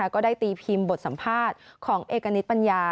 ก็ได้ตีพิมพ์บทสัมภาษณ์ของเอกณิตปัญญา